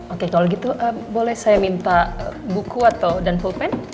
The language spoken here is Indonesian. oke kalau gitu boleh saya minta buku atau dan polpen